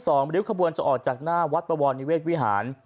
เหลียวขบวนจะออกจากหน้าวัดบะวอนนิเวศวิหาร